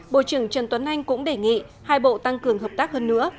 bộ trưởng trần tuấn anh cũng đề nghị hai bộ tăng cường hợp tác hơn nữa